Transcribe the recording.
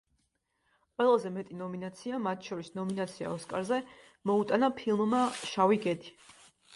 ყველაზე მეტი ნომინაცია, მათ შორის ნომინაცია ოსკარზე, მოუტანა ფილმმა „შავი გედი“.